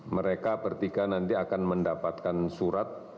mereka bertiga nanti akan mendapatkan surat